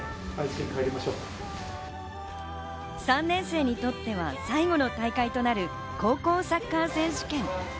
３年生にとっては最後の大会となる高校サッカー選手権。